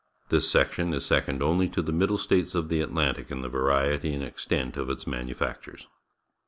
This section is second only to the ISIiddle States of the Atlantic in the varietj' and extent of its manufactures.